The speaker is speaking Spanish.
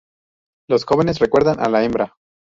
Los jóvenes recuerdan a la hembra.